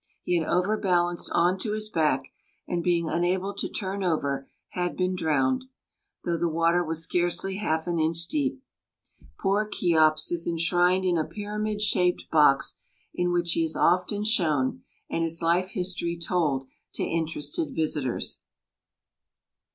He had overbalanced on to his back, and, being unable to turn over, had been drowned, though the water was scarcely half an inch deep. Poor Cheops is enshrined in a pyramid shaped box, in which he is often shown and his life history told to interested visitors.